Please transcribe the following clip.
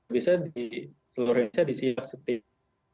bisa seluruhnya bisa disiapkan sendiri